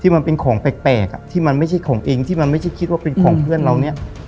มันเป็นของแปลกที่มันไม่ใช่ของเองที่มันไม่ใช่คิดว่าเป็นของเพื่อนเราเนี่ย